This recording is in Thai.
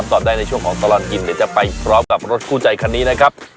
ตอบได้ในช่วงของตลอดกินเดี๋ยวจะไปพร้อมกับรถคู่ใจคันนี้นะครับ